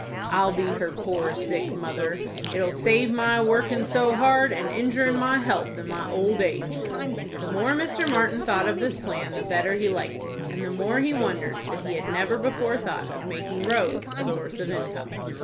I'll be her poor sick mother. It'll save my workin' so hard, and injurin' my health in my old age." The more Mr. Martin thought of this plan, the better he liked it, and the more he wondered that he had never before thought of making Rose a source of income.